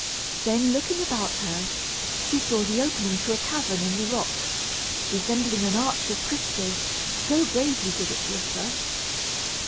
Then, looking about her, she saw the opening to a cavern in the rocks, resembling an arch of crystal, so bravely did it glitter.